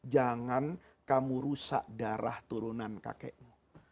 jangan kamu rusak darah turunan kakekmu